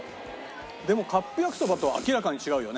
でもカップ焼きそばとは明らかに違うよね。